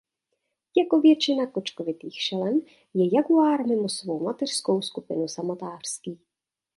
Jako většina kočkovitých šelem je jaguár mimo svou mateřskou skupinu samotářský.